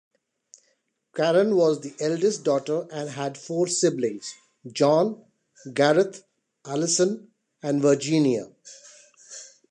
Karen was the eldest daughter and had four siblings: Jon, Gareth, Alison and Virginia.